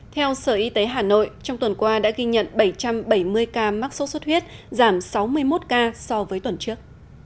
theo sở y tế hà nội trong tuần qua đã ghi nhận bảy trăm bảy mươi ca mắc sốt xuất huyết giảm sáu mươi một ca so với tuần trước